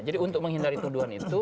jadi untuk menghindari tuduhan itu